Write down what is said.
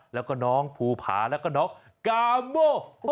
แล้วก็น้องภูผาแล้วก็น้องกาโม